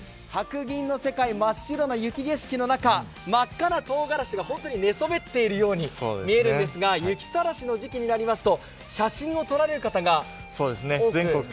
白銀の世界、真っ白な雪景色の中真っ赤なとうがらしが本当に寝そべっているように見えるんですが雪さらしの時期になりますと、写真を撮られる方が多く？